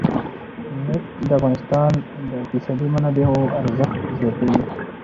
نفت د افغانستان د اقتصادي منابعو ارزښت زیاتوي.